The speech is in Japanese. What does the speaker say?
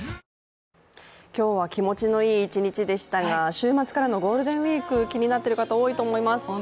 今日は気持ちのいい一日でしたが、週末からのゴールデンウイーク、気になっている方多いと思います。